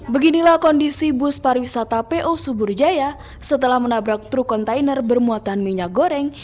beginilah kondisi bus pariwisata po suburjaya setelah menabrak truk kontainer bermuatan minyak goreng